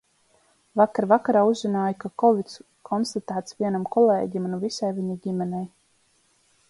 Vakar vakarā uzzināju, ka kovids konstatēts vienam kolēģim un visai viņa ģimenei.